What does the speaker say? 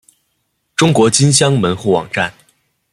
中国金乡门户网站